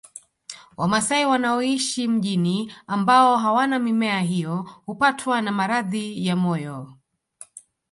Wamasai wanaoishi mijini ambao hawana mimea hiyo hupatwa na maradhi ya moyo